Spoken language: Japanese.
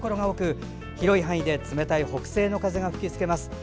多く広い範囲で冷たい北西の風が吹きつけます。